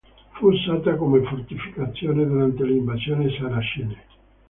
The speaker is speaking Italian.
Fu usata come fortificazione durante le invasioni saracene.